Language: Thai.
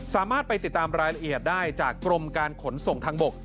สามารถไปติดตามรายละเอียดได้จากกรมการขนส่งทางบก